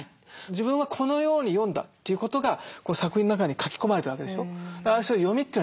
自分はこのように読んだということが作品の中に書き込まれてるわけでしょ。